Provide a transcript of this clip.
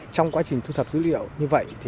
trong quá trình thu thập dữ liệu như vậy